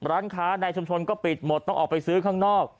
ร้านค้าในชุมชนก็ปิดหมดต้องออกไปซื้อข้างนอก